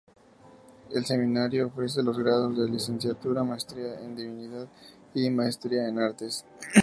El seminario ofrece los grados de Licenciatura, Maestría en Divinidad, y Maestría en Artes.